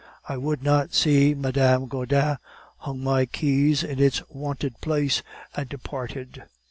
I would not see Madame Gaudin, hung my key in its wonted place, and departed.